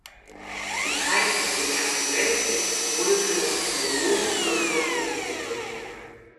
Die Zeit nach dem Ersten Weltkrieg wurde für das Unternehmen zur Bewährungsprobe.